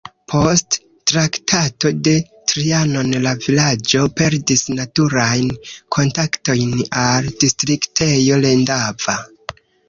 Post Traktato de Trianon la vilaĝo perdis naturajn kontaktojn al distriktejo Lendava.